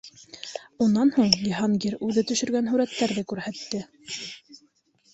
Унан һуң Йыһангир үҙе төшөргән һүрәттәрҙе күрһәтте.